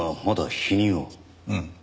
うん。